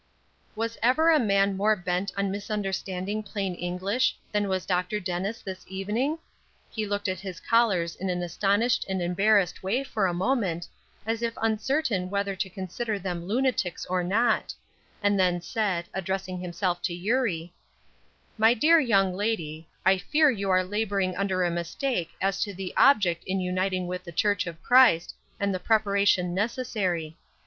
Was ever a man more bent on misunderstanding plain English than was Dr. Dennis this evening? He looked at his callers in an astonished and embarrassed way for a moment, as if uncertain whether to consider them lunatics or not; and then said, addressing himself to Eurie: "My dear young lady, I fear you are laboring under a mistake as to the object in uniting with the Church of Christ, and the preparation necessary.